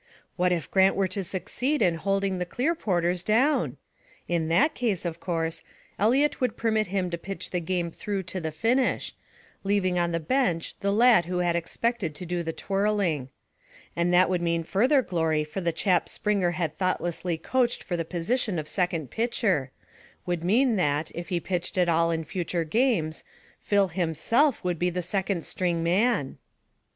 What if Grant were to succeed in holding the Clearporters down? In that case, of course, Eliot would permit him to pitch the game through to the finish, leaving on the bench the lad who had expected to do the twirling. And that would mean further glory for the chap Springer had thoughtlessly coached for the position of second pitcher; would mean that, if he pitched at all in future games, Phil himself would be the second string man.